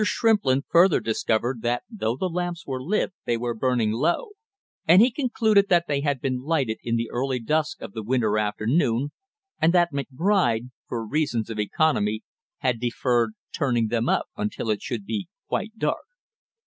Shrimplin further discovered that though the lamps were lit they were burning low, and he concluded that they had been lighted in the early dusk of the winter afternoon and that McBride, for reasons of economy, had deferred turning them up until it should be quite dark.